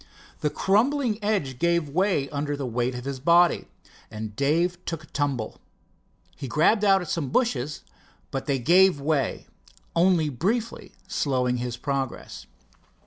The crumbling edge gave way under the weight of his body, and Dave took a tumble. He grabbed out at some bushes, but they gave way, only briefly slowing down his progress.